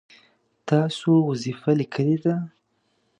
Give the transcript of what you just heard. تاسو وظیفه لیکلې ده؟